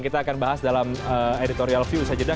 kita akan bahas dalam editorial view sajidah